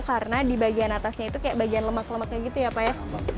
karena di bagian atasnya itu kayak bagian lemak lemaknya gitu ya pak ya